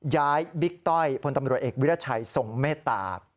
บิ๊กต้อยพลตำรวจเอกวิรัชัยทรงเมตตา